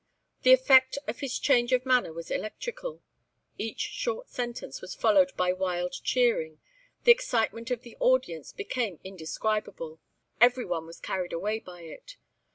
The effect of his change of manner was electrical. Each short sentence was followed by wild cheering. The excitement of the audience became indescribable. Everyone was carried away by it.